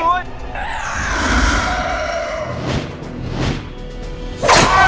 สนับสนาย